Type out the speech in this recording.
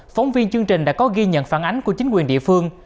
phóng viên chương trình đã có ghi nhận phản ánh của chính quyền địa phương